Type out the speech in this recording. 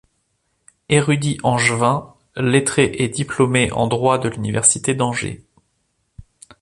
Érudit angevin, lettré et diplômé en Droit de l'université d'Angers.